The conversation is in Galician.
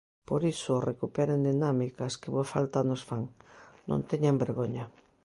Pois iso, recuperen dinámicas, que boa falta nos fan, ¡non teñan vergoña!